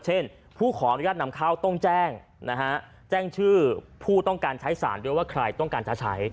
ผู้ขออนุญาตนำเข้าต้องแจ้งแจ้งชื่อผู้ต้องการใช้สารด้วยว่าใครต้องการจะใช้